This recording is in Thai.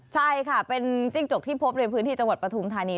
ใช่ค่ะเป็นจิ้งจกที่พบในพื้นที่จังหวัดปฐุมธานี